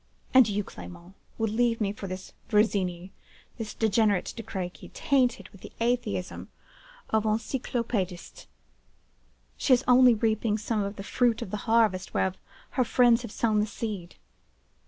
And you, Clement, would leave me for this Virginie,—this degenerate De Crequy, tainted with the atheism of the Encyclopedistes! She is only reaping some of the fruit of the harvest whereof her friends have sown the seed.